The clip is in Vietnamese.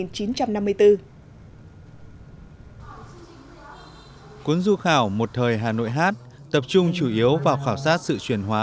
cuốn du khảo một thời hà nội hát tập trung chủ yếu vào khảo sát sự chuyển hóa